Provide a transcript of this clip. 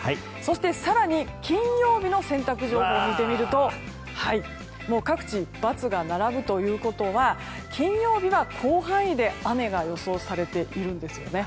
そして、更に金曜日の洗濯情報を見てみると各地、×が並ぶということは金曜日は広範囲で雨が予想されているんですね。